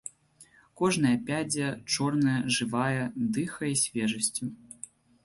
Кожная пядзя, чорная, жывая, дыхае свежасцю.